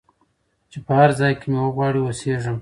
چي په هرځای کي مي وغواړی او سېږم